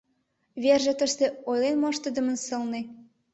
Верже тыште ойлен моштыдымын сылне.